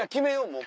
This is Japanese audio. もう。